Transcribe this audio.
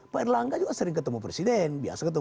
pak erlangga juga sering ketemu presiden biasa ketemu